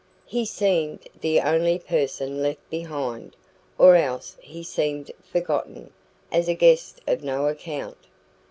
He seemed the only person left behind, or else he seemed forgotten, as a guest of no account.